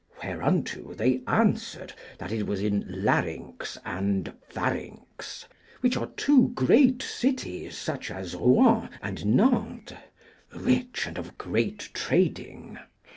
Whereunto they answered that it was in Larynx and Pharynx, which are two great cities such as Rouen and Nantes, rich and of great trading.